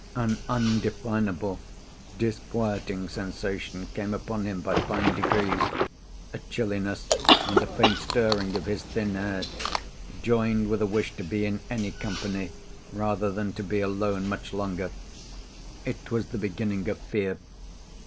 An undefinable, disquieting sensation came upon him by fine degrees, a chilliness and a faint stirring of his thin hair, joined with a wish to be in any company rather than to be alone much longer. It was the beginning of fear.